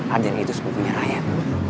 adel itu sepupunya ryan